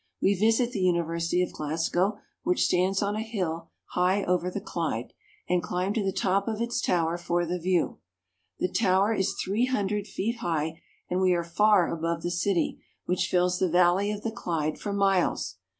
We visit the University of Glasgow, which stands on a hill high over the Clyde, and climb to the top of its tower — the cemetery rising in terraces." for the view. The tower is three hundred feet high, and we are far above the city, which fills the valley of the Clyde for miles.